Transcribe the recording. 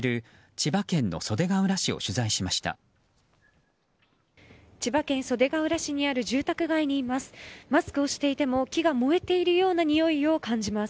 千葉県袖ケ浦市にある住宅街にいます。